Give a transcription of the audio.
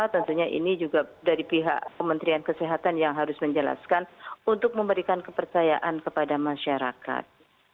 tentunya ini juga dari pihak kementerian kesehatan yang harus menjelaskan untuk memberikan kepercayaan kepada masyarakat